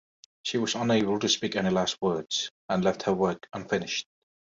She was unable to speak any last words, and left her work unfinished.